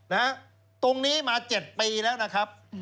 นะฮะตรงนี้มา๗ปีแล้วนะครับ